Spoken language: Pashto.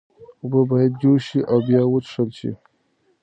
اوبه باید جوش شي او بیا وڅښل شي.